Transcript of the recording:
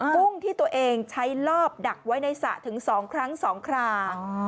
กุ้งที่ตัวเองใช้ลอบดักไว้ในสระถึง๒ครั้ง๒ครา